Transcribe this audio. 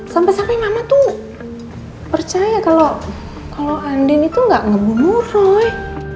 sampai sampai mama tuh percaya kalau andin itu nggak ngebunuh roy